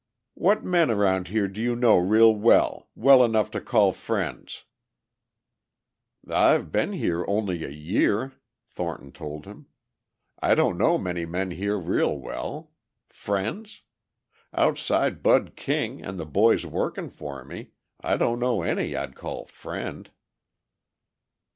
"What men around here do you know real well, well enough to call friends?" "I've been here only a year," Thornton told him. "I don't know many men here real well. Friends? Outside Bud King and the boys working for me I don't know any I'd call friend."